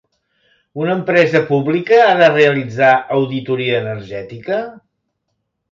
Una empresa pública ha de realitzar auditoria energètica?